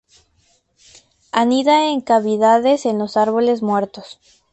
Anida en cavidades en los árboles muertos.